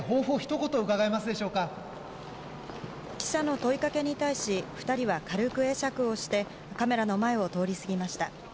記者の問いかけに対し２人は軽く会釈をしてカメラの前を通り過ぎました。